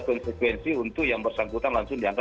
konsekuensi untuk yang bersangkutan langsung dianggap